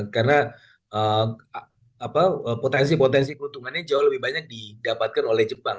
karena potensi potensi keuntungannya jauh lebih banyak didapatkan oleh jepang